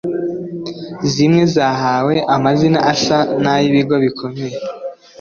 zimwe zahawe amazina asa n’ay’ibigo bikomeye